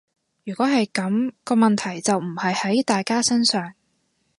如果係噉，個問題就唔係喺大家身上